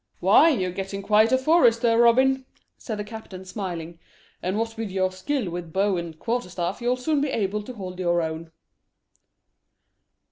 "Why, you're getting quite a forester, Robin," said the captain, smiling, "and what with your skill with bow and quarter staff you'll soon be able to hold your own."